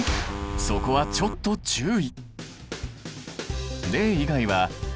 そこはちょっと注意。